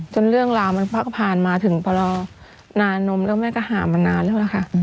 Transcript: เรื่องราวมันพักผ่านมาถึงปรนานมแล้วแม่ก็หามานานแล้วนะคะ